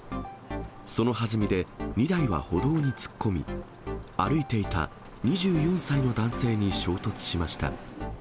そのはずみで２台は歩道に突っ込み、歩いていた２４歳の男性に衝突しました。